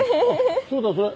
そうだそれ